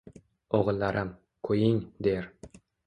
O‘g‘illarim, qo‘ying, der.